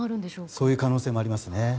そういう可能性もありますね。